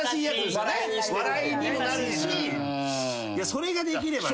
それができればね。